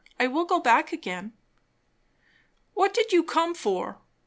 I will go back again." "What did you come for?"